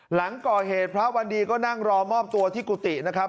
หลังก่อเหตุพระวันดีก็นั่งรอมอบตัวที่กุฏินะครับ